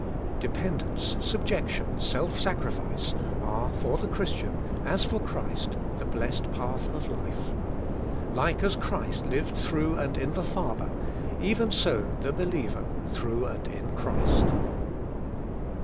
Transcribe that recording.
Depend ence, subjection, self sacrifice, are for the Christian as for Christ the blessed path of life. Like as Christ lived through and in the Father, even so the believer through and in Christ.